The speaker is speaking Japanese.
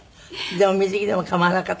でも水着でも構わなかった？